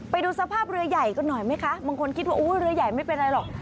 ไปดูสภาพเรือใหญ่กันหน่อยไหมคะบางคนคิดว่าเรือใหญ่ไม่เป็นไรหรอก